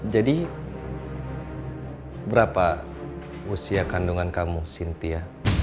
jadi berapa usia kandungan kamu sintia